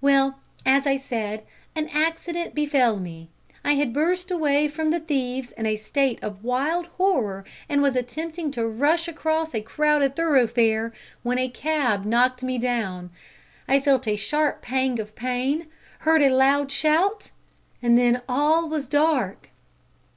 Well, as I said, an accident befell me. I had burst away from the thieves in a state of wild horror, and was attempting to rush across a crowded thoroughfare, when a cab knocked me down. I felt a sharp pang of pain, heard a loud shout and then all was dark.